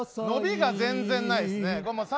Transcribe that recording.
伸びが全然ないですね。